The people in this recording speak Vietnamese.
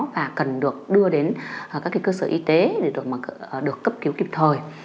và cần được đưa đến các cơ sở y tế để được cấp cứu kịp thời